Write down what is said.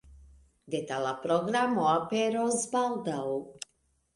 Detala programo aperos baldaŭ.